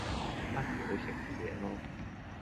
不如去食啲嘢囉